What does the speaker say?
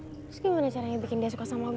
terus gimana caranya bikin dia suka sama lobb